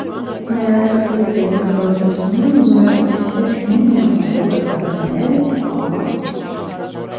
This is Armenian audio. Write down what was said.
Նրա թխլիկ դեմքը որ տեսնում եմ, ուզում եմ այսպես հինգ մատներովս բռնել, կամաց…